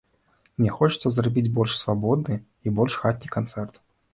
Мне хочацца зрабіць больш свабодны і больш хатні канцэрт.